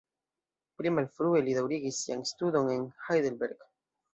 Pli malfrue li daŭrigis sian studon en Heidelberg.